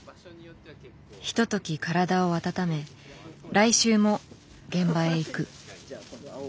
ひととき体を温め来週も現場へ行く。